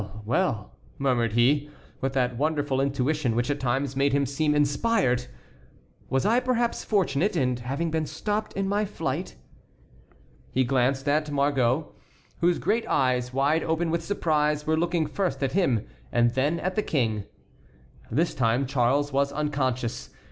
well!" murmured he, with that wonderful intuition which at times made him seem inspired, "was I perhaps fortunate in having been stopped in my flight?" He glanced at Margot, whose great eyes, wide open with surprise, were looking first at him and then at the King. This time Charles was unconscious.